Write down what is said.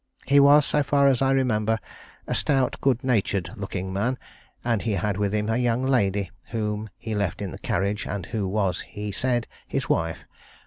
He was, so far as I remember, a stout good natured looking man, and he had with him a young lady whom he left in the carriage, and who was, he said, his wife.